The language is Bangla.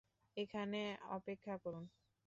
এখানে অপেক্ষা করুন।